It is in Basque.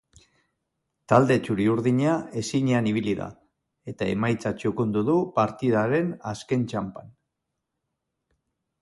Talde txuri-urdina ezinean ibili da, eta emaitza txukundu du partidaren azken txanpan.